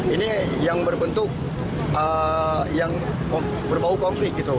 ini yang berbentuk yang berbau konflik gitu